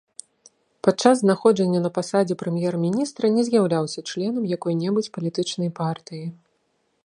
Падчас знаходжання на пасадзе прэм'ер-міністра не з'яўляўся членам якой-небудзь палітычнай партыі.